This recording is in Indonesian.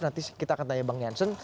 nanti kita akan tanya bang jansen